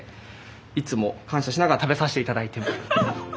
いつも感謝しながら食べさせて頂いてます。